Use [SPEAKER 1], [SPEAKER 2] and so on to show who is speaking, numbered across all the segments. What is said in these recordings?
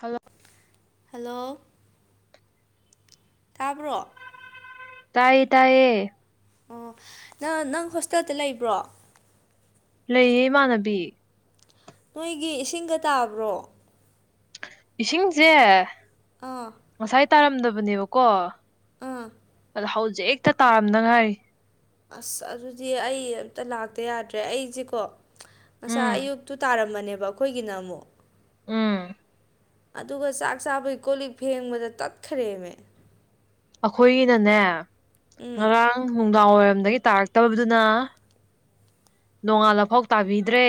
[SPEAKER 1] Hello
[SPEAKER 2] hello ꯇꯥꯕ꯭ꯔꯣ
[SPEAKER 1] ꯇꯥꯏꯌꯦ ꯇꯥꯏꯌꯦ
[SPEAKER 2] ꯑꯣ ꯅꯪ ꯅꯪ ꯍꯣꯁꯇꯦꯜꯗ ꯂꯩꯕ꯭ꯔꯣ
[SPEAKER 1] ꯂꯩꯌꯦ ꯏꯃꯥꯟꯅꯕꯤ
[SPEAKER 2] ꯅꯣꯏꯒꯤ ꯏꯁꯤꯡꯒ ꯇꯥꯕ꯭ꯔꯣ
[SPEAKER 1] ꯏꯁꯤꯡꯖꯦ
[SPEAKER 2] ꯑꯥ
[SPEAKER 1] ꯉꯁꯥꯏ ꯇꯥꯔꯝꯗꯕꯅꯦꯕꯀꯣ
[SPEAKER 2] ꯑ
[SPEAKER 1] ꯑ ꯍꯧꯖꯤꯛ ꯍꯛꯇ ꯇꯥꯔꯝꯅꯗ ꯉꯥꯏꯔꯤ
[SPEAKER 2] ꯑꯁ ꯑꯗꯨꯗꯤ ꯑꯩ ꯑꯝꯇ ꯂꯥꯛꯇ ꯌꯥꯗ꯭ꯔꯦ ꯑꯩꯖꯦꯀꯣ ꯉꯁꯥꯏ
[SPEAKER 1] ꯎꯝ
[SPEAKER 2] ꯑꯌꯨꯛꯇꯨ ꯇꯥꯔꯝꯕꯅꯦꯕ ꯑꯈꯣꯏꯒꯤꯅ ꯑꯃꯨꯛ
[SPEAKER 1] ꯎꯝ
[SPEAKER 2] ꯑꯗꯨꯒ ꯆꯥꯛ ꯆꯥꯕꯒꯤ ꯀꯣꯜ ꯂꯤꯛ ꯐꯦꯡꯕꯗ ꯇꯠꯈꯔꯦꯝꯃꯦ
[SPEAKER 1] ꯑꯈꯣꯏꯒꯤꯅꯅꯦ
[SPEAKER 2] ꯎꯝ
[SPEAKER 1] ꯉꯔꯥꯡ ꯅꯨꯡꯗꯥꯡ ꯋꯥꯏꯔꯝꯗꯒꯤ ꯇꯥꯔꯛꯇꯕꯗꯨꯅ ꯅꯣꯡꯉꯥꯜꯂꯐꯥꯎ ꯇꯥꯕꯤꯗ꯭ꯔꯦ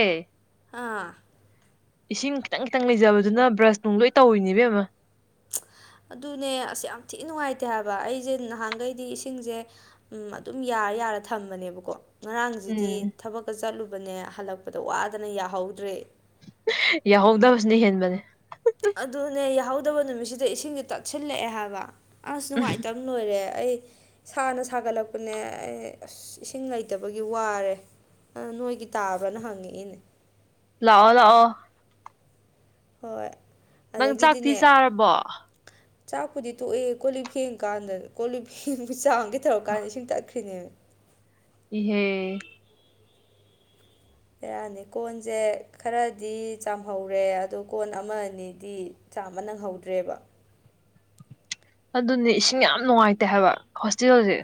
[SPEAKER 2] ꯑꯥ
[SPEAKER 1] ꯏꯁꯤꯡ ꯈꯤꯇꯪ ꯈꯤꯇꯪ ꯂꯩꯖꯕꯗꯨꯅ ꯕ꯭ꯔꯁ ꯅꯨꯡ ꯂꯣꯏ ꯇꯧꯔꯤꯅꯤ ꯏꯕꯦꯝꯃ
[SPEAKER 2] ꯑꯗꯨꯅꯦ ꯑꯁ ꯌꯥꯝ ꯊꯤꯅ ꯅꯨꯡꯉꯥꯏꯇꯦ ꯍꯥꯏꯕ ꯑꯩꯖꯥꯩ ꯅꯍꯥꯟꯈꯩꯗꯤ ꯏꯁꯤꯡꯖꯦ ꯎꯝ ꯑꯗꯨꯝ ꯌꯥꯔ ꯌꯥꯔ ꯊꯝꯕꯅꯦꯕꯀꯣ ꯉꯔꯥꯡꯖꯤꯗꯤ
[SPEAKER 1] ꯎꯝ
[SPEAKER 2] ꯊꯕꯛꯀ ꯆꯠꯂꯨꯕꯅꯦ ꯍꯜꯂꯛꯄꯗ ꯋꯥꯗꯅ ꯌꯥꯍꯧꯗ꯭ꯔꯦ
[SPEAKER 1] ꯌꯥꯎꯍꯧꯗꯕꯁꯤꯅ ꯍꯦꯟꯕꯅꯤ
[SPEAKER 2] ꯑꯗꯨꯅꯦ ꯌꯥꯍꯧꯗꯕ ꯅꯨꯃꯤꯠꯁꯤꯗ ꯏꯁꯤꯡꯖꯩ ꯇꯠꯁꯤꯜꯂꯛꯑꯦ ꯍꯥꯏꯕ ꯑꯁ ꯅꯨꯡꯉꯥꯏꯇꯝ ꯎꯝ ꯂꯣꯏꯔꯦ ꯑꯩ ꯁꯥꯅ ꯁꯥꯒꯠꯂꯛꯄꯅꯦ ꯑꯩ ꯑꯁ ꯏꯁꯤꯡ ꯂꯩꯇꯕꯒꯤ ꯋꯥꯔꯦ ꯑ ꯅꯣꯏꯒꯤ ꯇꯥꯕ꯭ꯔꯅ ꯍꯪꯉꯛꯏꯅꯦ
[SPEAKER 1] ꯂꯥꯛꯑꯣ ꯂꯥꯛꯑꯣ
[SPEAKER 2] ꯍꯣꯏ
[SPEAKER 1] ꯅꯪ ꯆꯥꯛꯇꯤ
[SPEAKER 2] ꯑꯗꯒꯤꯗꯤꯅꯦ
[SPEAKER 1] ꯆꯥꯔꯕꯣ
[SPEAKER 2] ꯆꯥꯛꯄꯨꯗꯤ ꯇꯣꯛꯑꯦ ꯀꯣꯜꯂꯤꯞ ꯐꯦꯡ ꯀꯥꯟꯗ ꯀꯣꯂꯤꯞ ꯐꯦꯡꯕ ꯆꯥꯝꯒꯦ ꯊꯧꯔꯛꯀꯥꯟꯗ ꯏꯁꯤꯡ ꯇꯠꯈ꯭ꯔꯤꯅꯦꯃꯤ
[SPEAKER 1] ꯏꯍꯦ
[SPEAKER 2] ꯕꯦꯔꯅꯤ ꯀꯣꯟꯖꯦ ꯈꯔꯗꯤ ꯆꯥꯝꯍꯧꯔꯦ ꯑꯗꯣ ꯀꯣꯟ ꯑꯃ ꯑꯅꯤꯗꯤ ꯆꯥꯝꯕ ꯅꯪꯍꯧꯗ꯭ꯔꯦꯕ
[SPEAKER 1] ꯑꯗꯨꯅꯦ ꯏꯁꯤꯡ ꯌꯥꯝ ꯅꯨꯡꯉꯥꯏꯇꯦ ꯍꯥꯏꯕ ꯍꯣꯁꯇꯦꯜꯖꯦ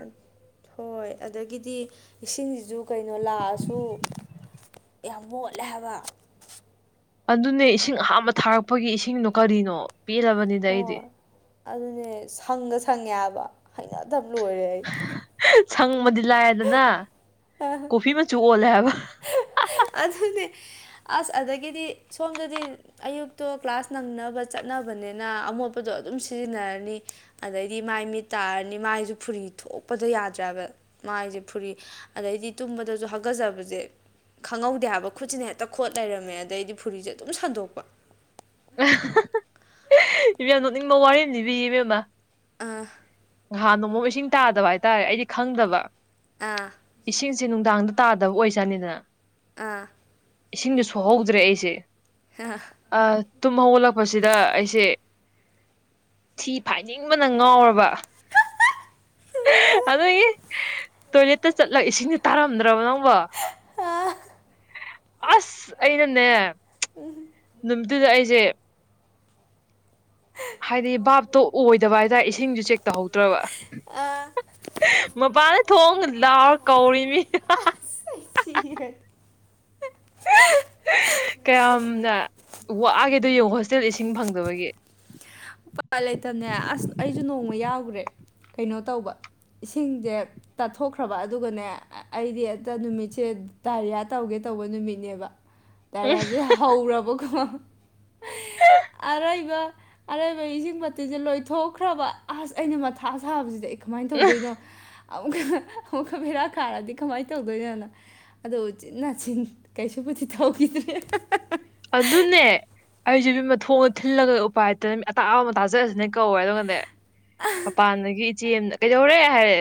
[SPEAKER 2] ꯍꯣꯏ ꯑꯗꯒꯤꯗꯤ ꯏꯁꯤꯡꯖꯤꯖꯨ ꯀꯩꯅꯣ ꯂꯥꯛꯑꯁꯨ ꯌꯥꯝ ꯃꯣꯠꯂꯦ ꯍꯥꯏꯕ
[SPEAKER 1] ꯑꯗꯨꯅꯦ ꯏꯁꯤꯡ ꯑꯍꯥꯝꯕ ꯊꯥꯔꯛꯄꯒꯤ ꯏꯁꯤꯡꯗꯣ ꯀꯔꯤꯅꯣ ꯄꯦꯜꯂꯕꯅꯤꯗ ꯑꯩꯗꯤ
[SPEAKER 2] ꯍꯣꯏ ꯑꯗꯨꯅꯦ ꯁꯪꯒ ꯁꯪꯉꯦ ꯍꯥꯏꯕ ꯍꯩꯅꯗꯕ ꯂꯣꯏꯔꯦ
[SPEAKER 1] ꯁꯪꯕꯗꯤ ꯂꯥꯏꯔꯗꯅ ꯀꯣꯐꯤ ꯃꯆꯨ ꯑꯩ ꯂꯦ‌ ꯍꯥꯥꯏꯕ
[SPEAKER 2] ꯑꯗꯨꯅꯤ ꯑꯁ ꯑꯗꯒꯤꯗꯤ ꯁꯣꯝꯗꯗꯤ ꯑꯌꯨꯛꯇꯣ ꯀ꯭ꯂꯥꯁ ꯅꯪꯅꯕ ꯆꯠ ꯆꯠꯅꯕꯅꯤꯅ ꯑꯃꯣꯠꯄꯗꯣ ꯑꯗꯨꯝ ꯁꯤꯖꯤꯟꯅꯔꯅꯤ ꯑꯗꯩꯗꯤ ꯃꯥꯏ ꯃꯤꯠ ꯇꯥꯔꯅꯤ ꯃꯥꯏꯁꯨꯦ ꯐꯨꯔꯤ ꯊꯣꯛꯄꯗ ꯌꯥꯗ꯭ꯔꯕ ꯃꯥꯏꯁꯦ ꯐꯨꯔꯤ ꯑꯗꯩꯗꯤ ꯇꯨꯝꯕꯗꯁꯨ ꯍꯥꯀꯠꯆꯕꯁꯦ ꯈꯪꯍꯧꯗꯦ ꯍꯥꯏꯕ ꯈꯨꯠꯁꯤꯅ ꯍꯦꯛꯇ ꯈꯣꯠ ꯂꯩꯔꯝꯃꯦ ꯑꯗꯩꯗꯤ ꯐꯨꯔꯤꯁꯦ ꯑꯗꯨꯝ ꯁꯟꯗꯣꯛꯄ
[SPEAKER 1] ꯏꯕꯦꯝ ꯅꯣꯛꯅꯤꯡꯕ ꯋꯥꯔꯤꯅꯤ ꯑꯃ ꯂꯤꯕꯤꯒꯦ ꯏꯕꯦꯝꯃ
[SPEAKER 2] ꯑꯥ
[SPEAKER 1] ꯅꯍꯥꯟ ꯅꯣꯡꯃ ꯏꯁꯤꯡ ꯇꯥꯗꯕ ꯍꯥꯏꯇꯥꯔꯦ ꯑꯩꯗꯤ ꯈꯪꯗꯕ
[SPEAKER 2] ꯑꯥ
[SPEAKER 1] ꯏꯁꯤꯡꯁꯦ ꯅꯨꯡꯗꯥꯡꯗ ꯇꯥꯗꯕ ꯑꯣꯏꯖꯥꯅꯤꯗꯅ
[SPEAKER 2] ꯑꯥ
[SPEAKER 1] ꯏꯁꯤꯡꯗꯨ ꯁꯣꯛꯍꯧꯗ꯭ꯔꯦ ꯑꯩꯁꯦ
[SPEAKER 2] ꯑꯥ
[SPEAKER 1] ꯑꯤ ꯇꯨꯝ ꯍꯧꯒꯠꯂꯛꯄꯁꯤꯗ ꯑꯩꯁꯦ ꯊꯤ ꯐꯥꯏꯅꯤꯡꯕꯅ ꯉꯥꯎꯔꯕ ꯑꯗꯨꯒꯤ ꯇꯣꯏꯂꯦꯠꯇ ꯆꯠꯂꯒ ꯏꯁꯤꯡꯁꯦ ꯇꯥꯔꯝꯗ꯭ꯔꯕ ꯅꯪꯕꯣ
[SPEAKER 2] ꯑꯥ
[SPEAKER 1] ꯑꯁ ꯑꯩꯅꯅꯦ
[SPEAKER 2] ꯎ
[SPEAKER 1] ꯅꯨꯃꯤꯠꯇꯨꯗ ꯑꯩꯁꯦ ꯍꯥꯏꯗꯤ ꯚꯥꯞꯇꯣ ꯑꯣꯏꯗꯕ ꯍꯥꯏꯇꯥꯔꯦ ꯏꯁꯤꯡꯁꯨ ꯆꯦꯛ ꯇꯧꯍꯧꯗ꯭ꯔꯕ
[SPEAKER 2] ꯑꯥ
[SPEAKER 1] ꯃꯄꯥꯟꯗ ꯊꯣꯡ ꯂꯥꯎꯔ ꯀꯧꯔꯦ ꯃꯤ
[SPEAKER 2] ꯑꯩ ꯁꯤꯔꯦ
[SPEAKER 1] ꯀꯌꯥꯝꯅ ꯋꯥꯛꯒꯦꯗꯣ ꯌꯦꯡꯉꯣ ꯍꯣꯁꯇꯦꯜ ꯏꯁꯤꯡ ꯐꯪꯗꯕꯒꯤ
[SPEAKER 2] ꯎꯄꯥꯏ ꯂꯩꯇꯕꯅꯦ ꯑꯁ ꯑꯩꯁꯨ ꯅꯣꯡꯃ ꯌꯥꯎꯈ꯭ꯔꯦ ꯀꯩꯅꯣ ꯇꯧꯕ ꯏꯁꯤꯡꯁꯦ ꯇꯠꯊꯣꯛꯈ꯭ꯔꯕ ꯑꯗꯨꯒꯅꯦ ꯑꯩꯗꯤ ꯍꯦꯛꯇ ꯅꯨꯃꯤꯠꯁꯦ ꯗꯥꯏꯔꯤꯌꯥ ꯇꯧꯒꯦ ꯇꯧꯕ ꯅꯨꯃꯤꯠꯅꯦꯕ [inaudible]
[SPEAKER 1] ꯎꯝ
[SPEAKER 2] ꯗꯥꯏꯔꯤꯌꯥꯁꯦ ꯍꯧꯔꯕꯀꯣ ꯑꯔꯩꯕ ꯑꯔꯩꯕ ꯑꯩ ꯏꯁꯤꯡ ꯕꯥꯇꯤꯟꯁꯦ ꯂꯣꯏꯊꯣꯛꯈ꯭ꯔꯕ ꯑꯁ ꯑꯩꯅ ꯃꯊꯥ ꯁꯥꯕꯁꯤꯗꯤ ꯑꯩ ꯀꯃꯥꯏꯅ ꯇꯧꯗꯣꯏꯅꯣ ꯑꯃꯨꯛ ꯑꯃꯨꯛꯀ ꯚꯦꯔꯥ ꯀꯥꯔꯗꯤ ꯀꯃꯥꯏꯅ ꯇꯧꯗꯣꯏꯅꯣꯅ ꯑꯗꯣ ꯎꯆꯤꯟ ꯅꯥꯆꯤꯟ ꯀꯩꯁꯨꯕꯨꯗꯤ ꯊꯧꯈꯤꯗ꯭ꯔꯦ
[SPEAKER 1] ꯑꯗꯨꯅꯦ ꯑꯩꯁꯦ ꯏꯕꯦꯝꯃ ꯊꯣꯡ ꯊꯤꯜꯂꯒ ꯎꯄꯥꯏꯇꯅ ꯃꯤ ꯑꯇꯥꯕ ꯑꯃ ꯇꯥꯖꯔꯁꯅꯦ ꯀꯧꯋꯦ ꯑꯗꯨꯒꯅꯦ ꯃꯄꯥꯟꯗꯒꯤ ꯏꯆꯦ ꯑꯃꯅ ꯀꯩꯗꯧꯔꯦ ꯍꯥꯏꯔꯦ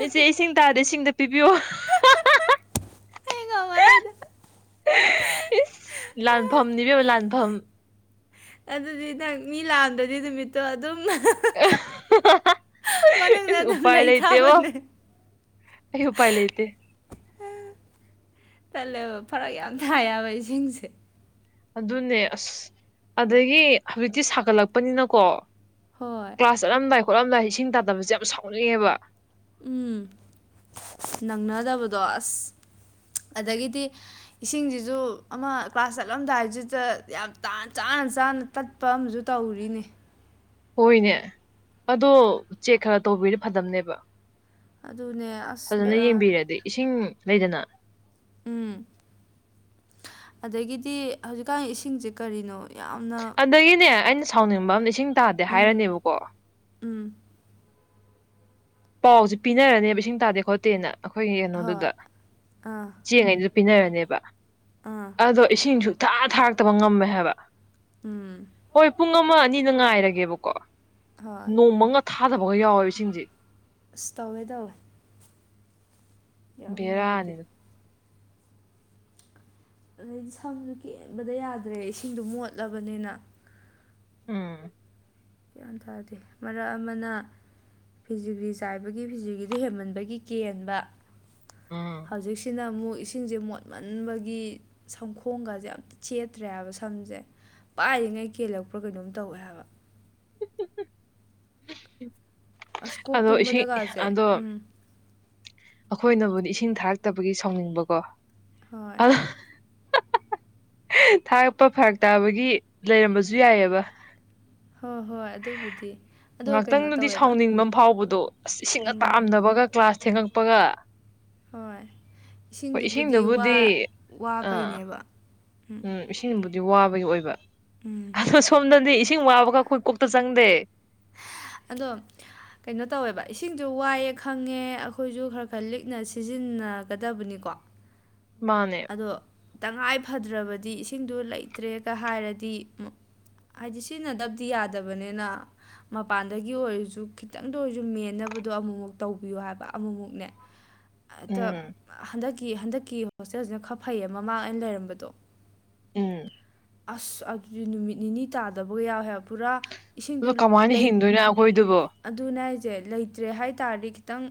[SPEAKER 1] ꯑꯩꯆꯦ ꯏꯁꯤꯡ ꯇꯥꯗꯦ ꯏꯁꯤꯡ ꯑꯜꯇ ꯄꯤꯕꯤꯌꯣ
[SPEAKER 2] ꯑꯩ ꯉꯝꯃꯔꯣꯏꯗ
[SPEAKER 1] ꯏꯁ ꯂꯥꯟꯐꯝꯅꯤ ꯏꯕꯦꯝꯃ ꯂꯥꯟꯐꯝ
[SPEAKER 2] ꯑꯗꯨꯗꯤ ꯅꯪ ꯃꯤ ꯂꯥꯛꯑꯝꯗ꯭ꯔꯗꯤ ꯅꯨꯃꯤꯠꯇꯣ ꯑꯗꯨꯝ ꯃꯅꯨꯡꯗ
[SPEAKER 1] ꯏꯁ
[SPEAKER 2] ꯑꯗꯨꯝ
[SPEAKER 1] ꯎꯄꯥꯏ
[SPEAKER 2] ꯂꯩ
[SPEAKER 1] ꯂꯩꯇꯦꯕꯣ
[SPEAKER 2] ꯇꯥꯕꯅꯦ
[SPEAKER 1] ꯑꯩ ꯎ ꯄꯥꯏ ꯂꯩ ꯂꯩꯇꯦ
[SPEAKER 2] ꯑ ꯇꯜꯂꯦꯕ ꯐꯔꯛ ꯌꯥꯝ ꯇꯥꯏ ꯍꯥꯏꯕ ꯏꯁꯤꯡꯁꯦ
[SPEAKER 1] ꯑꯗꯨꯅꯦ ꯑꯁ ꯑꯗꯩꯒꯤ ꯍꯧꯖꯤꯛꯇꯤ ꯁꯥꯒꯠꯂꯛꯄꯅꯤꯅꯀꯣ
[SPEAKER 2] ꯍꯣꯏ
[SPEAKER 1] ꯀ꯭ꯂꯥꯁ ꯆꯠꯂꯝꯗꯥꯏ ꯈꯣꯠꯂꯝꯗꯥꯏ ꯏꯁꯤꯡ ꯇꯥꯗꯕꯁꯦ ꯌꯥꯝ ꯁꯥꯎꯅꯩꯑꯦꯕ
[SPEAKER 2] ꯎꯝ ꯅꯪꯅꯗꯕꯗꯣ ꯑꯁ ꯑꯗꯒꯤꯗꯤ ꯏꯁꯤꯡꯁꯤꯁꯨ ꯑꯃ ꯀ꯭ꯂꯥꯁ ꯆꯠꯂꯝꯗꯥꯏꯁꯤꯗ ꯌꯥꯝ ꯇꯥꯟ ꯆꯥꯅ ꯆꯥꯅ ꯇꯠꯄ ꯑꯃꯁꯨ ꯇꯧꯔꯤꯅꯦ
[SPEAKER 1] ꯍꯣꯏꯅꯦ ꯑꯗꯣ ꯆꯦꯛ ꯈꯔ ꯇꯧꯕꯤꯔ ꯐꯗꯝꯅꯦꯕ
[SPEAKER 2] ꯑꯗꯨꯅꯦ ꯑꯁ
[SPEAKER 1] ꯐꯖꯅ
[SPEAKER 2] ꯕꯦꯔꯥꯅꯤ
[SPEAKER 1] ꯌꯦꯡꯕꯤꯔꯗꯤ ꯏꯁꯤꯡ ꯂꯩꯗꯅ
[SPEAKER 2] ꯎꯝ ꯑꯗꯒꯤꯗꯤ ꯍꯧꯖꯤꯛꯀꯥꯟ ꯏꯁꯤꯡꯁꯦ ꯀꯔꯤꯅꯣ ꯌꯥꯝꯅ
[SPEAKER 1] ꯑꯗꯒꯤꯅꯦ ꯑꯩꯅ ꯁꯥꯎꯅꯤꯡꯕ ꯑꯝꯅ ꯏꯁꯤꯡ ꯇꯥꯗꯦ
[SPEAKER 2] ꯎꯝ
[SPEAKER 1] ꯍꯥꯏꯔꯅꯦꯕꯀꯣ
[SPEAKER 2] ꯎꯝ
[SPEAKER 1] ꯄꯥꯎꯁꯦ ꯄꯤꯅꯔꯅꯦꯕ ꯏꯁꯤꯡ ꯇꯥꯗꯦ ꯈꯣꯠꯇꯦꯅ ꯑꯈꯣꯏꯒꯤ
[SPEAKER 2] ꯍꯣꯏ
[SPEAKER 1] ꯀꯩꯅꯣꯗꯨꯗ
[SPEAKER 2] ꯑꯥ
[SPEAKER 1] ꯆꯦꯉꯩꯗꯨ ꯄꯤꯅꯔꯅꯦꯕ
[SPEAKER 2] ꯑꯥ
[SPEAKER 1] ꯑꯗꯣ ꯏꯁꯤꯡꯁꯨ ꯊꯥ ꯊꯥꯔꯛꯇꯕ ꯉꯝꯃꯦ ꯍꯥꯏꯕ
[SPEAKER 2] ꯎꯝ
[SPEAKER 1] ꯍꯣꯏ ꯄꯨꯡ ꯑꯃ ꯑꯅꯤꯅ ꯉꯥꯏꯔꯒꯦꯕꯀꯣ
[SPEAKER 2] ꯍꯣꯏ
[SPEAKER 1] ꯅꯣꯡꯃꯒ ꯊꯥꯗꯕꯒ ꯌꯥꯎꯋꯦꯕ ꯏꯁꯤꯡꯁꯦ
[SPEAKER 2] ꯑꯁ ꯇꯧꯋꯦ ꯇꯧꯋꯦ ꯌꯥꯝ ꯅꯨꯡꯉꯥꯏꯇꯦ
[SPEAKER 1] ꯕꯦꯔꯥꯅꯤꯗ
[SPEAKER 2] ꯑꯗꯩꯗꯤ ꯁꯝꯁꯨ ꯀꯦꯟꯕꯗ ꯌꯥꯗ꯭ꯔꯦ ꯏꯁꯤꯡꯗꯨ ꯃꯣꯠꯂꯕꯅꯤꯅ
[SPEAKER 1] ꯎꯝ
[SPEAKER 2] ꯒ꯭ꯌꯥꯟ ꯇꯥꯗꯦ ꯃꯔꯛ ꯑꯃꯅ ꯐꯤꯖꯤꯒ꯭ꯔꯤ ꯆꯥꯏꯕꯒꯤ ꯐꯤꯖꯤꯒ꯭ꯔꯤꯗꯨ ꯍꯦꯟꯃꯟꯕꯒꯤ ꯀꯦꯟꯕ
[SPEAKER 1] ꯎꯝ
[SPEAKER 2] ꯍꯧꯖꯤꯛꯁꯤꯅ ꯑꯃꯨꯛ ꯏꯁ ꯁꯤꯡꯁꯦ ꯃꯣꯠꯃꯟꯕꯒꯤ ꯁꯝꯈꯣꯡꯒꯁꯦ ꯑꯝꯇ ꯆꯦꯠꯇ꯭ꯔꯦ ꯍꯥꯏꯕ ꯁꯝꯁꯦ ꯄꯥꯏꯔꯤꯉꯩ ꯀꯦꯜꯂꯛꯄ꯭ꯔꯥꯀꯩꯅꯣꯝ ꯇꯧꯋꯦ ꯍꯥꯏꯕ ꯑꯁ ꯀꯣꯛ
[SPEAKER 1] ꯑꯗꯣ ꯏꯁꯤꯡ
[SPEAKER 2] ꯇꯨꯝꯕꯗꯒꯁꯦ
[SPEAKER 1] ꯑꯗꯣ
[SPEAKER 2] ꯎꯝ
[SPEAKER 1] ꯑꯈꯣꯏꯅꯕꯨꯗꯤ ꯏꯁꯤꯡ ꯊꯥꯔꯛꯇꯕꯒꯤ ꯁꯥꯎꯅꯤꯡꯕꯀꯣ
[SPEAKER 2] ꯍꯣꯏ
[SPEAKER 1] ꯑꯗꯣ ꯊꯥꯔꯛꯄ ꯐꯔꯛ ꯇꯥꯕꯒꯤ ꯂꯩꯔꯝꯕꯁꯨ ꯌꯥꯏꯌꯦꯕ
[SPEAKER 2] ꯍꯣ ꯍꯣꯏ ꯑꯗꯨꯕꯨꯗꯤ ꯑꯗꯣ ꯀꯩꯅꯣ
[SPEAKER 1] ꯉꯥꯛꯇꯪꯗꯨꯗꯤ
[SPEAKER 2] ꯇꯧꯋꯦꯕ
[SPEAKER 1] ꯁꯥꯎꯅꯤꯡꯕꯃ ꯐꯥꯎꯕꯗꯣ ꯑꯁ ꯏꯁꯤꯡꯒ
[SPEAKER 2] ꯎꯝ ꯎꯝ
[SPEAKER 1] ꯇꯥꯔꯝꯗꯕꯒ ꯀ꯭ꯂꯥꯁ ꯊꯦꯡꯉꯛꯄꯒ
[SPEAKER 2] ꯍꯣꯏ
[SPEAKER 1] ꯍꯣꯏ
[SPEAKER 2] ꯏꯁꯤꯡꯗꯨꯕꯨꯗꯤ ꯋꯥ
[SPEAKER 1] ꯏꯁꯤꯡꯗꯨꯕꯨꯗꯤ ꯑꯥ
[SPEAKER 2] ꯋꯥꯕꯩꯅꯦꯕ ꯎꯝ
[SPEAKER 1] ꯎꯝ ꯏꯁꯤꯡꯕꯨꯗꯤ ꯋꯥꯕꯒꯤ ꯑꯣꯏꯕ
[SPEAKER 2] ꯎꯝ
[SPEAKER 1] ꯑꯗꯣ ꯁꯣꯝꯗꯗꯤ ꯏꯁꯤꯡ ꯋꯥꯕꯒ ꯑꯈꯣꯏ ꯀꯣꯛꯇ ꯆꯪꯗꯦ
[SPEAKER 2] ꯑꯗꯣ ꯀꯩꯅꯣ ꯇꯧꯋꯦꯕ ꯏꯁꯤꯡꯗꯨ ꯋꯥꯏꯌꯦ ꯈꯪꯉꯦ ꯑꯈꯣꯏꯁꯨ ꯈꯔ ꯈꯔ ꯂꯤꯛꯅ ꯁꯤꯖꯤꯟꯅꯒꯗꯕꯅꯤꯀꯣ
[SPEAKER 1] ꯃꯥꯅꯦ
[SPEAKER 2] ꯑꯗꯣ ꯇꯉꯥꯏ ꯐꯗ꯭ꯔꯕꯗꯤ ꯏꯁꯤꯡꯗꯨ ꯂꯩꯇ꯭ꯔꯦꯒ ꯍꯥꯏꯔꯗꯤ ꯍꯥꯏꯗꯤ ꯁꯤꯖꯤꯟꯅꯗꯕꯗꯤ ꯌꯥꯗꯕꯅꯤꯅ ꯃꯄꯥꯟꯗꯒꯤ ꯑꯣꯏꯔꯁꯨ ꯈꯤꯇꯪꯗ ꯑꯣꯏꯔꯁꯨ ꯃꯦꯟꯅꯕꯗꯣ ꯑꯃꯨꯛꯃꯨꯛ ꯇꯧꯕꯤꯌꯨ ꯍꯥꯏꯕ ꯑꯃꯃꯨꯛꯅꯦ ꯍꯦꯛꯇ
[SPEAKER 1] ꯎꯝ
[SPEAKER 2] ꯍꯟꯗꯛꯀꯤ ꯍꯟꯗꯛꯀꯤ ꯍꯣꯁꯇꯦꯜꯁꯤꯅ ꯈꯔ ꯐꯩꯌꯦ ꯃꯃꯥꯡ ꯑꯩꯅ ꯂꯩꯔꯝꯕꯗꯣ
[SPEAKER 1] ꯎꯝ
[SPEAKER 2] ꯑꯁ ꯑꯗꯨꯗꯤ ꯅꯨꯃꯤꯠ ꯅꯤꯅꯤ ꯇꯥꯗꯕꯒ ꯌꯥꯎꯋꯦꯕ ꯄꯨꯔꯥ ꯏꯁꯤꯡꯗꯨ
[SPEAKER 1] ꯑꯗꯣ ꯀꯃꯥꯏꯅ
[SPEAKER 2] ꯂꯩ
[SPEAKER 1] ꯍꯤꯡꯗꯣꯏꯅꯣ ꯍꯥꯏꯕ ꯑꯈꯣꯏꯗꯨꯕꯣ
[SPEAKER 2] ꯑꯗꯨꯅꯦ ꯍꯥꯏꯁꯦ ꯂꯩꯇ꯭ꯔꯦ ꯍꯥꯏ ꯇꯥꯔꯗꯤ ꯈꯤꯇꯪ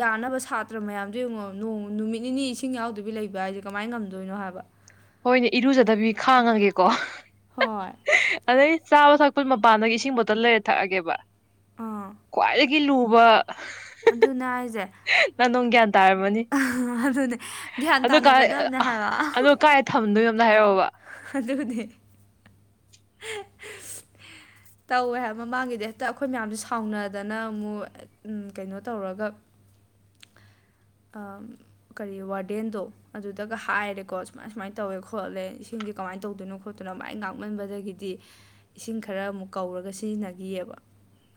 [SPEAKER 2] ꯌꯥꯅꯕ ꯁꯥꯇ꯭ꯔ ꯃꯌꯥꯝꯗꯣ ꯌꯦꯡꯉꯣ ꯅꯣꯡ ꯅꯨꯃꯤꯠ ꯅꯤꯅꯤ ꯏꯁꯤꯡ ꯌꯥꯎꯗꯕꯤ ꯂꯩꯕ ꯍꯥꯏꯁꯦ ꯀꯃꯥꯏꯟ ꯉꯝꯗꯣꯏꯅꯣ ꯍꯥꯏꯕ
[SPEAKER 1] ꯍꯣꯏꯅꯦ ꯏꯔꯨꯖꯗꯕꯤ ꯈꯥꯡꯉꯒꯦꯀꯣ
[SPEAKER 2] ꯍꯣꯏ
[SPEAKER 1] ꯑꯗꯩ ꯆꯥꯕ ꯊꯛ ꯄꯩ ꯃꯄꯥꯟꯗꯒꯤ ꯏꯁꯤꯡ ꯕꯣꯇꯜ ꯂꯩꯔ ꯊꯛꯑꯒꯦꯕ
[SPEAKER 2] ꯑꯥ
[SPEAKER 1] ꯈ꯭ꯋꯥꯏꯗꯒꯤ ꯂꯨꯕ
[SPEAKER 2] ꯑꯗꯨꯅꯦ ꯍꯥꯏꯁꯦ
[SPEAKER 1] ꯅꯪ ꯅꯨꯡ ꯒ꯭ꯌꯥꯟ ꯇꯥꯔꯝꯃꯅꯤ
[SPEAKER 2] ꯑꯗꯨꯅꯦ ꯒ꯭ꯌꯥꯟ ꯇꯥꯟꯅꯒꯗꯕꯅꯦ ꯍꯥꯏꯕ
[SPEAKER 1] ꯀꯥꯏꯗ ꯊꯝꯗꯣꯏꯅꯣ ꯑꯝꯇ ꯍꯥꯏꯔꯛꯑꯣꯕ
[SPEAKER 2] ꯑꯗꯨꯅꯦ ꯇꯧꯋꯦ ꯍꯥꯏꯕ ꯃꯃꯥꯡꯒꯤꯗꯤ ꯍꯦꯛꯇ ꯑꯩꯈꯣꯏ ꯃꯌꯥꯝꯖꯦ ꯁꯥꯎꯅꯗꯅ ꯑꯃꯨꯛ ꯎꯝ ꯀꯩꯅꯣ ꯇꯧꯔꯒ ꯑꯥꯝ ꯀꯔꯤ ꯋꯥꯔꯗꯦꯟꯗꯣ ꯑꯗꯨꯗꯒ ꯍꯥꯏꯔꯦꯀꯣ ꯁꯨꯃꯥꯏ- ꯁꯨꯃꯥꯏ ꯇꯧꯋꯦ ꯈꯣꯠꯂꯦ ꯏꯁꯤꯡꯁꯦ ꯀꯃꯥꯏꯟ ꯇꯧꯗꯣꯏꯅꯣ ꯈꯣꯠꯇꯨꯅ ꯃꯥꯏ ꯉꯥꯡꯃꯟꯕꯗꯒꯤꯗꯤ ꯏꯁꯤꯡ ꯈꯔ ꯑꯃꯨꯛ ꯀꯧꯔꯒ ꯁꯤꯖꯤꯟꯅꯒꯤꯌꯦꯕ꯫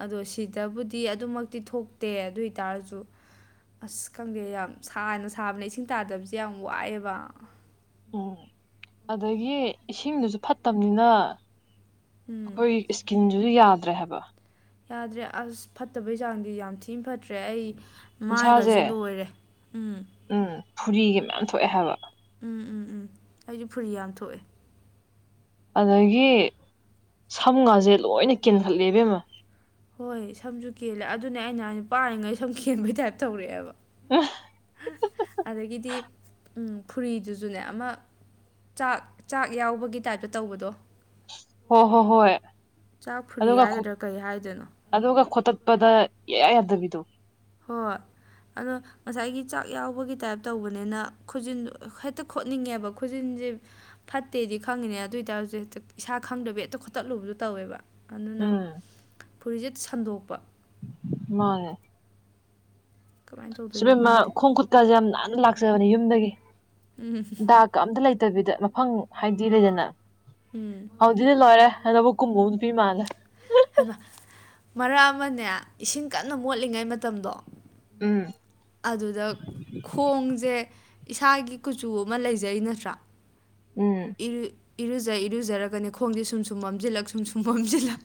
[SPEAKER 2] ꯑꯗꯣ ꯁꯤꯗꯕꯨꯗꯤ ꯑꯗꯨꯃꯛꯇꯤ ꯊꯣꯛꯇꯦ ꯑꯗꯨ ꯑꯣꯏꯇꯥꯔꯖꯨ ꯑꯁ ꯈꯪꯗꯦ ꯌꯥꯝ ꯁꯥꯅ ꯁꯥꯕꯅꯦ ꯏꯁꯤꯡ ꯇꯥꯗꯕꯁꯦ ꯌꯥꯝ ꯋꯥꯏꯌꯦꯕ꯫
[SPEAKER 1] ꯎꯝ ꯑꯗꯒꯤ ꯏꯁꯤꯡꯗꯨꯖꯨ ꯐꯠꯇꯝꯅꯤꯅ
[SPEAKER 2] ꯎꯝ
[SPEAKER 1] ꯑꯈꯣꯏ ꯏꯁ ꯀꯤꯟꯖꯤꯁꯨ ꯌꯥꯗ꯭ꯔꯦ ꯍꯥꯏꯕ
[SPEAKER 2] ꯌꯥꯗ꯭ꯔꯦ ꯑꯁ ꯐꯠꯇꯕꯩ ꯆꯥꯡꯗꯤ ꯌꯥꯝ ꯊꯤ ꯐꯠꯇ꯭ꯔꯦ ꯑꯩ
[SPEAKER 1] ꯎꯟꯁꯥꯁꯦ
[SPEAKER 2] ꯃꯥꯏꯒꯖꯦ ꯂꯣꯏꯔꯦ ꯎꯝ
[SPEAKER 1] ꯎꯝ ꯐꯨꯔꯤꯒꯤ ꯃꯌꯥꯝ ꯊꯣꯛꯑꯦ ꯍꯥꯏꯕ꯫
[SPEAKER 2] ꯎꯝ-ꯎꯝ-ꯎꯝ ꯑꯩꯖꯨ ꯐꯨꯔꯤ ꯌꯥꯝ ꯊꯣꯛꯑꯦ꯫
[SPEAKER 1] ꯑꯗꯒꯤ ꯁꯝꯒꯖꯦ ꯂꯣꯏꯅ ꯀꯦꯟꯍꯠꯂꯦ ꯏꯕꯦꯝꯃ꯫
[SPEAKER 2] ꯍꯣꯏ ꯁꯝꯖꯨ ꯀꯦꯜꯂꯦ ꯑꯗꯨꯅꯦ ꯑꯩꯅ ꯍꯥꯏ ꯄꯥꯏꯔꯤꯉꯩ ꯁꯝ ꯀꯦꯟꯕꯩ ꯇꯥꯏꯞ ꯇꯧꯔꯛꯑꯦꯕ ꯫
[SPEAKER 1] ꯑ
[SPEAKER 2] ꯑꯗꯒꯤꯗꯤ ꯎꯝ ꯐꯨꯔꯤꯗꯨꯖꯨꯅꯦ ꯑꯃ ꯆꯥꯛ-ꯆꯥꯛ ꯌꯥꯎꯕꯒꯤ ꯇꯥꯏꯞꯇ ꯇꯧꯕꯗꯣ
[SPEAKER 1] ꯍꯣꯏ ꯍꯣꯏ ꯍꯣꯏ
[SPEAKER 2] ꯆꯥꯛ ꯐꯨꯔꯤ
[SPEAKER 1] ꯑꯗꯨꯒ
[SPEAKER 2] ꯍꯥꯏꯒꯗ꯭ꯔ ꯀꯩ ꯍꯥꯏꯗꯣꯏꯅꯣ꯫
[SPEAKER 1] ꯑꯗꯨꯒ ꯈꯣꯠꯇꯠꯄꯗ ꯏꯌꯥ ꯌꯥꯗꯕꯤꯗꯣ꯫
[SPEAKER 2] ꯍꯣꯏ ꯑꯗꯣ ꯉꯁꯥꯏꯒꯤ ꯆꯥꯛ ꯌꯥꯎꯕꯒꯤ ꯇꯥꯏꯞ ꯇꯧꯕꯅꯤꯅ ꯈꯨꯖꯤꯟꯗꯣ ꯍꯦꯛꯇ ꯈꯣꯠꯅꯤꯡꯉꯦꯕ ꯈꯨꯖꯤꯟꯖꯦ ꯐꯠꯇꯦꯗꯤ ꯈꯪꯉꯤꯅꯦ ꯑꯗꯨ ꯑꯣꯏꯇꯥꯔꯖꯨ ꯍꯦꯛꯇ ꯏꯁꯥ ꯈꯪꯗꯕꯤ ꯍꯦꯛꯇ ꯈꯣꯠꯇꯠꯂꯨꯕꯗꯣ ꯇꯧꯋꯦꯕ꯫ ꯑꯗꯨꯅ
[SPEAKER 1] ꯎꯝ
[SPEAKER 2] ꯐꯨꯔꯤꯖꯦ ꯁꯟꯗꯣꯛꯄ꯫
[SPEAKER 1] ꯃꯥꯅꯦ
[SPEAKER 2] ꯀꯃꯥꯏꯅ ꯇꯧꯗꯣꯏꯅꯣ
[SPEAKER 1] ꯁꯨꯕꯦꯝꯃ
[SPEAKER 2] ꯈꯪꯗꯦ
[SPEAKER 1] ꯈꯣꯡ ꯈꯨꯠꯀꯥꯖꯦ ꯌꯥꯝ ꯅꯥꯟꯅ ꯂꯥꯛꯆꯕꯅꯦ ꯌꯨꯝꯗꯒꯤ ꯗꯥꯛ ꯀ ꯑꯝꯇ ꯂꯩꯇꯕꯤꯗ ꯃꯐꯝ ꯍꯥꯏꯕꯗꯤ ꯂꯩꯗꯅ
[SPEAKER 2] ꯎꯝ
[SPEAKER 1] ꯍꯧꯖꯤꯗꯤ ꯂꯣꯏꯔꯦ ꯂꯧꯕꯨꯛ ꯀꯨꯝꯃꯨꯕ ꯅꯨꯄꯤ ꯃꯥꯜꯂꯦ꯫
[SPEAKER 2] ꯍꯩꯃ ꯃꯔꯛ ꯑꯃꯅꯦ ꯏꯁꯤꯡ ꯀꯟꯅ ꯃꯣꯠꯂꯤꯉꯩ ꯃꯇꯝꯗꯣ꯫
[SPEAKER 1] ꯎꯝ
[SPEAKER 2] ꯑꯗꯨꯗ ꯈꯣꯡꯖꯦ ꯏꯁꯥꯒꯤ ꯀꯨꯆꯨ ꯑꯃ ꯂꯩꯖꯩ ꯅꯠꯇ꯭ꯔꯥ꯫
[SPEAKER 1] ꯎꯝ
[SPEAKER 2] ꯏꯔꯨ ꯏꯔꯨꯖ ꯏꯔꯨꯖꯔꯒꯅꯦ ꯈꯣꯡꯖꯦ ꯁꯨꯝ ꯁꯨꯝ ꯃꯝꯖꯤꯜꯂꯛ ꯁꯨꯝ ꯁꯨꯝ ꯃꯝꯖꯤꯜꯂꯛ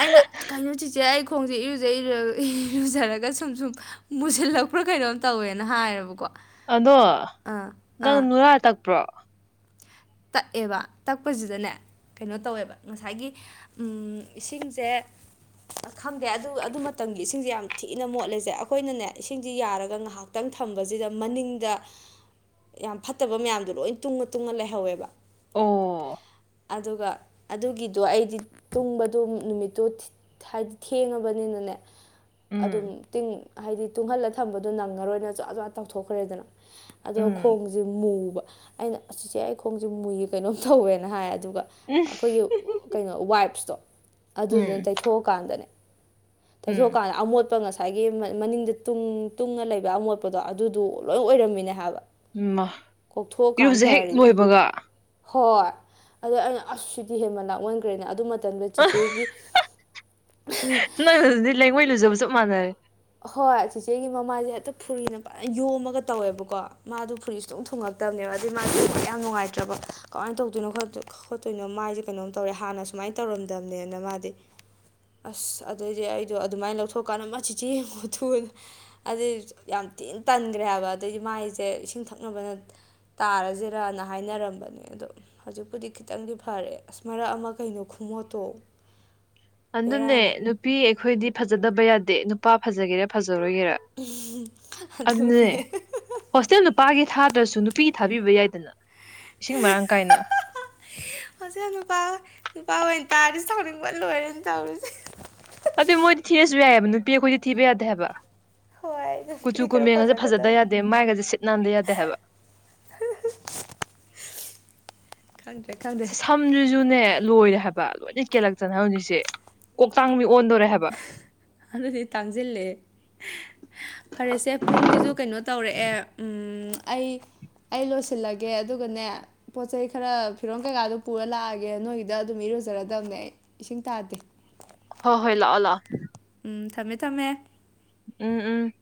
[SPEAKER 2] ꯑꯩꯅ ꯀꯩꯅꫭ ꯆꯤꯆꯦ ꯑꯩ ꯈꯣꯡꯖꯦ ꯏꯔꯨꯖ ꯏꯔꯨꯖꯔ ꯏꯔꯨꯖꯔꯒ ꯁꯨꯝ ꯁꯨꯝ ꯃꯨꯁꯤꯜꯂꯛꯄ꯭ꯔꯥ ꯀꯩꯅꯣꯝ ꯇꯧꯋꯦꯅ ꯍꯥꯏꯔꯕꯀꯣ꯫
[SPEAKER 1] ꯑꯗꯣ
[SPEAKER 2] ꯑꯥ
[SPEAKER 1] ꯅꯪ
[SPEAKER 2] ꯑꯥ
[SPEAKER 1] ꯅꯨꯔꯥ ꯇꯛꯄ꯭ꯔꯣ꯫
[SPEAKER 2] ꯇꯛꯑꯦꯕ ꯇꯛꯄꯖꯤꯗꯅꯦ ꯀꯩꯅꯣ ꯇꯧꯋꯦꯕ ꯉꯁꯥꯏꯒꯤ꯫ ꯎꯝ ꯏꯁꯤꯡꯁꯦ ꯑ ꯈꯪꯗꯦ ꯑꯗꯨ ꯑꯗꯨ ꯃꯇꯝꯒꯤ ꯏꯁꯤꯡꯖꯦ ꯌꯥꯝ ꯊꯤꯅ ꯃꯣꯠꯂꯦꯖꯦ ꯑꯩꯈꯣꯏꯅꯅꯦ ꯏꯁꯤꯡꯖꯤ ꯌꯥꯔꯒ ꯉꯍꯥꯛ ꯇꯡ ꯊꯝꯕꯖꯤꯗ ꯃꯅꯤꯡꯗ ꯌꯥꯝ ꯐꯠꯇꯕ ꯃꯌꯥꯝꯗꯣ ꯂꯣꯏ ꯇꯨꯡꯉ ꯇꯨꯡꯉ ꯂꯩꯍꯧꯋꯦꯕ
[SPEAKER 1] ꯑꯣ
[SPEAKER 2] ꯑꯗꯨꯒ ꯑꯗꯨꯒꯤꯗꯣ ꯑꯩꯗꯤ ꯇꯨꯡꯕꯗꯣ ꯅꯨꯃꯤꯠꯇꯨ ꯊꯤ ꯊꯍꯥꯏꯗꯤ ꯊꯦꯡꯉꯕꯅꯤꯅꯅꯦ
[SPEAKER 1] ꯎꯝ
[SPEAKER 2] ꯑꯗꯨꯝ ꯇꯤꯡ ꯍꯥꯏꯗꯤ ꯇꯨꯡꯍꯜꯂ ꯊꯝꯕꯗꯣ ꯅꯪꯉꯔꯣꯏꯅ ꯖꯋ꯭ꯥ ꯖꯋ꯭ꯥꯥ ꯇꯧꯊꯣꯛꯈ꯭ꯔꯦꯗꯅ꯫ ꯑꯗꯣ
[SPEAKER 1] ꯎꯝ
[SPEAKER 2] ꯈꯣꯡꯖꯦ ꯃꯨꯕ ꯑꯩꯅ ꯑꯁ ꯆꯤꯆꯦ ꯑꯩ ꯈꯣꯡꯖꯦ ꯃꯨꯏ ꯀꯩꯅꯣꯝ ꯇꯧꯋꯦꯅ ꯍꯥꯏ ꯑꯗꯨꯒ ꯑꯩꯈꯣꯏꯒꯤ ꯀꯩꯅꯣ ꯋꯥꯏꯞꯁꯇꯣ ꯑꯗꯨꯗꯨꯅ
[SPEAKER 1] ꯎꯝ
[SPEAKER 2] ꯇꯩꯊꯣꯛꯑꯀꯥꯟꯗꯅꯦ
[SPEAKER 1] ꯎꯝ
[SPEAKER 2] ꯇꯩꯊꯣꯛꯑꯀꯥꯟꯗ ꯑꯃꯣꯠ ꯄꯥ ꯉꯁꯥꯏꯒꯤ ꯃꯥ ꯃꯅꯤꯡꯗ ꯇꯨꯡ ꯇꯨꯡꯉ ꯂꯩꯕ ꯑꯃꯣꯠꯄꯗꯣ ꯑꯗꯨꯗꯨ ꯂꯣꯏ ꯑꯣꯏꯔꯝꯃꯤꯅꯦ ꯍꯥꯏꯕ
[SPEAKER 1] ꯎꯝ ꯃꯥ
[SPEAKER 2] ꯀꯣꯛꯊꯣꯛꯑꯀꯥꯟ
[SPEAKER 1] ꯏꯔꯨꯖ ꯍꯦꯛ
[SPEAKER 2] ꯐꯔꯤꯅꯦ
[SPEAKER 1] ꯂꯣꯏꯕꯒ
[SPEAKER 2] ꯍꯣꯏ ꯑꯗ ꯑꯩꯅ ꯑꯁ ꯁꯤꯗꯤ ꯍꯦꯟꯃꯟ ꯂꯥꯛꯃꯟꯈ꯭ꯔꯦꯅ ꯑꯗꯨ ꯃꯠ ꯇꯝꯗ ꯆꯦꯆꯦꯒꯤ ꯑꯍꯥ
[SPEAKER 1] ꯅꯪꯅꯗꯨꯗꯤ ꯂꯩꯉꯣꯏ ꯂꯨꯖꯕ ꯆꯞ ꯃꯥꯟꯅꯔꯦ
[SPEAKER 2] ꯍꯣꯏ ꯆꯦꯆꯦꯒꯤ ꯃꯃꯥꯁꯦ ꯍꯦꯛꯇ ꯐꯨꯔꯤꯅ ꯐꯅ ꯌꯣꯝꯃꯒ ꯇꯧꯋꯦꯕꯀꯣ ꯃꯥꯗꯨ ꯐꯨꯔꯤ ꯁꯨꯛꯊꯨꯡ ꯊꯨꯡꯉꯛꯇꯕꯅꯦꯕ ꯑꯗꯨꯩ ꯃꯥꯁꯨ ꯌꯥꯝ ꯅꯨꯡꯉꯥꯏꯇ꯭ꯔꯕ ꯀꯃꯥꯏꯅ ꯇꯧꯗꯣꯏꯅꯣ ꯈꯣꯗꯦ ꯈꯣꯠꯇꯣꯏꯅꯣ ꯃꯥꯏꯁꯦ ꯀꯩꯅꯣꯝ ꯇꯧꯔꯦ ꯍꯥꯟꯅ ꯁꯨꯃꯥꯏꯅ ꯇꯧꯔꯝꯗꯕꯅꯦꯅ ꯃꯥꯗꯤ ꯑꯁ ꯑꯗꯩꯗꯤ ꯑꯩꯗꯣ ꯑꯗꯨꯃꯥꯏꯅ ꯂꯧꯊꯣꯛꯀꯥꯟꯗ ꯃꯥ ꯆꯤꯆꯦ ꯌꯦꯡꯉꯣ ꯊꯨ ꯍꯥꯏꯅ ꯑꯗꯩ ꯌꯥꯝ ꯊꯤꯟ ꯇꯟꯈ꯭ꯔꯦ ꯍꯥꯏꯕ ꯑꯗꯩꯗꯤ ꯃꯥꯏꯁꯦ ꯏꯁꯤꯡ ꯊꯛꯅꯕꯅ ꯇꯥꯔꯁꯤꯔꯅ ꯍꯥꯏꯅꯔꯝꯕꯅꯦ ꯑꯗꯣ ꯍꯧꯖꯤꯛꯄꯨꯗꯤ ꯈꯤꯇꯪꯗꯤ ꯐꯔꯦ ꯑꯁ ꯃꯔꯛ ꯑꯃ ꯀꯩꯅꯣ ꯈꯨꯃꯣꯠꯇꯣ
[SPEAKER 1] ꯑꯗꯨꯅꯦ
[SPEAKER 2] ꯕꯦꯔꯥꯅꯦ
[SPEAKER 1] ꯅꯨꯄꯤ ꯑꯩꯈꯣꯏꯗꯤ ꯐꯖꯗꯕ ꯌꯥꯗꯦ ꯅꯨꯄꯥ ꯐꯖꯒꯦꯔꯥ ꯐꯖꯔꯣꯏꯒꯦꯔꯥ
[SPEAKER 2] ꯏꯍꯤ ꯑꯗꯨꯅꯦ
[SPEAKER 1] ꯍꯣꯁꯇꯦꯜ ꯅꯨꯄꯥꯒꯤ ꯊꯥꯗ꯭ꯔꯁꯨ ꯅꯨꯄꯤꯒꯤ ꯊꯥꯕꯤꯕ ꯌꯥꯏꯗꯅ ꯏꯁꯤꯡ ꯃꯔꯥꯡ ꯀꯥꯏꯅ
[SPEAKER 2] ꯍꯣꯁꯇꯦꯜ ꯅꯨꯄꯥ ꯅꯨꯄꯥꯍꫭꯏ ꯇꯥꯔꯗꯤ ꯁꯥꯎꯅꯤꯡꯕꯟ ꯂꯣꯏꯔꯅꯤ ꯇꯧꯔꯤꯁꯦ
[SPEAKER 1] ꯍꯥꯏꯗꯤ ꯃꯣꯏꯗꯤ ꯊꯤꯔꯁꯨ ꯌꯥꯏꯑꯦꯕ ꯅꯨꯄꯤ ꯑꯩꯈꯣꯏꯗꯤ ꯊꯤꯕ ꯌꯥꯗꯦ ꯍꯥꯏꯕ
[SPEAKER 2] ꯍꯣꯏ ꯅꯨꯄꯤꯗꯤ
[SPEAKER 1] ꯀꯨꯆꯨ
[SPEAKER 2] ꯈꯔ
[SPEAKER 1] ꯀꯨꯃꯦꯟꯒꯁꯦ ꯐꯖꯗ
[SPEAKER 2] ꯐꯖꯒꯗꯕꯅꯤ
[SPEAKER 1] ꯌꯥꯗꯦ ꯃꯥꯏꯒꯁꯦ ꯁꯤꯠ ꯅꯥꯟꯗ ꯌꯥꯗꯦ ꯍꯥꯏꯕ
[SPEAKER 2] ꯈꯪꯗ꯭ꯔꯦ ꯈꯪꯗ꯭ꯔꯦ
[SPEAKER 1] ꯖꯤꯁꯨꯨꯅꯦ ꯂꯣꯏꯔꯦ ꯍꯥꯏꯕ ꯂꯣꯏꯅ ꯀꯦꯜꯂꯛꯇꯅ ꯍꯧꯖꯤꯛꯁꯦ ꯀꯣꯛꯇꯥꯡꯕꯤ ꯑꯣꯟꯗꯣꯔꯦ ꯍꯥꯏꯕ
[SPEAKER 2] ꯑꯗꯨꯗꯤ ꯇꯥꯡꯁꯤꯜꯂꯦ ꯐꯔꯦꯁꯦ ꯄꯨꯡꯁꯤꯁꯨ ꯀꯩꯅꯣ ꯇꯧꯔꯛꯑꯦ ꯎꯨꯝ ꯑꯩ ꯑꯩ ꯂꯣꯏꯁꯤꯜꯂꯒꯦ ꯑꯗꯨꯒꯅꯦ ꯄꯣꯠ ꯆꯩꯩ ꯈꯔ ꯐꯤꯔꯣꯟ ꯀꯩꯀꯥꯗꯣ ꯄꯨꯔ ꯂꯥꯛꯑꯒꯦ ꯅꯣꯏꯒꯤꯗ ꯑꯗꯨꯝ ꯏꯔꯨꯖꯔꯗꯕꯅꯦ ꯑꯩ ꯏꯁꯤꯡ ꯇꯥꯗꯦ
[SPEAKER 1] ꯍꯣ ꯍꯣꯏ ꯂꯥꯛꯑꯣ ꯂꯥꯛꯑꯣ
[SPEAKER 2] ꯎꯝ ꯊꯝꯃꯦ ꯊꯝꯃꯦ
[SPEAKER 1] ꯎꯝ ꯎꯝ